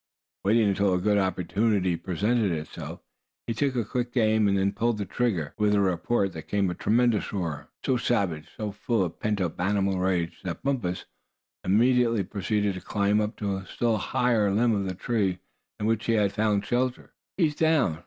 Waiting until a good opportunity presented itself, he took a quick aim, and then pulled the trigger. With the report there came a tremendous roar, so savage, so full of pent up animal rage, that Bumpus immediately proceeded to climb up to a still higher limb of the tree in which he had found shelter. "He's down!